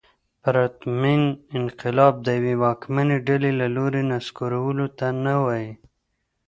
پرتمین انقلاب د یوې واکمنې ډلې له لوري نسکورولو ته نه وايي.